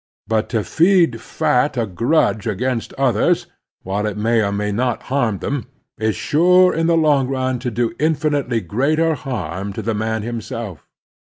But to feed fat a The Labor Question asj grudge against others, while it may or may not harm them, is sure in the long run to do infinitely greater harm to the man himself.